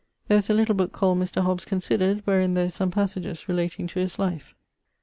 There is a little booke called Mr. Hobbes considered, wherein there is some passages relating to his life.